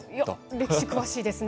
歴史詳しいですね。